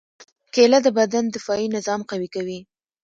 کېله د بدن دفاعي نظام قوي کوي.